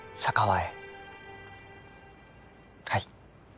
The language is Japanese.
はい。